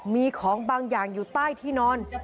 มีของบางอย่างอยู่ใต้ที่นอน